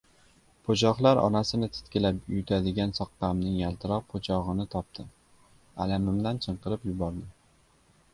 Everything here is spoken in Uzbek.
Po‘choqlar orasini titkilab, yutadigan soqqamning yaltiroq po‘chog‘ini topdim. Alamimdan chinqirib yubordim: